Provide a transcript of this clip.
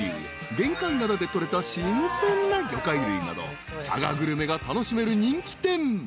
［玄界灘で取れた新鮮な魚介類など佐賀グルメが楽しめる人気店］